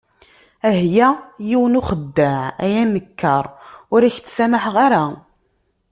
Ah ya yiwen n uxeddaɛ, ay anekkar, ur k-ttsamaḥeɣ ara.